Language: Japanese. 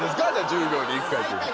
１０秒に１回っていうのは。